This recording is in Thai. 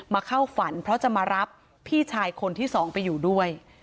เข้าฝันเพราะจะมารับพี่ชายคนที่สองไปอยู่ด้วย